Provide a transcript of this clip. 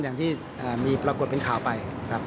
อย่างที่มีปรากฏเป็นข่าวไปครับ